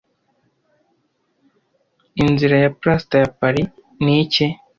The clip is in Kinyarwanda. Inzira ya plaster ya paris ni iki